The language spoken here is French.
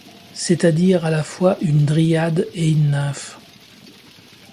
C'est-à-dire à la fois une dryade et une nymphe.